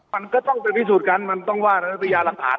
มันก็ต้องไปพิสูจน์กันมันต้องว่าในพญาหลักฐาน